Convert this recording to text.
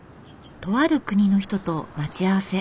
とある国の人と待ち合わせ。